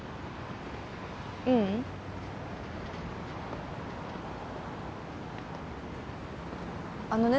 ううんあのね